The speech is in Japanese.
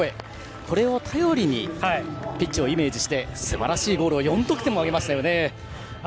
これを頼りにピッチをイメージしてすばらしいゴールを４得点もあげました。